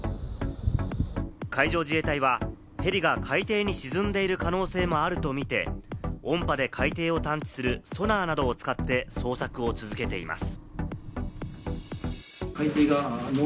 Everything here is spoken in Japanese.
海上自衛隊はヘリが海底に沈んでいる可能性もあるとみて、音波で海底を探知するソナーなどを使って捜索を続けています。